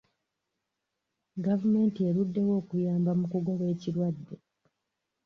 Gavumenti eruddewo okuyamba mu kugoba ekirwadde.